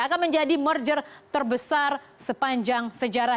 akan menjadi merger terbesar sepanjang sejarah